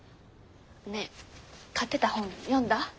ねえ買ってた本読んだ？